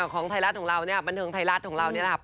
ของไทรัชของเราเนี่ยบันทึงไทรัชของเราเนี่ยนะครับ